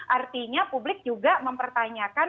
artinya publik juga mempertanyakan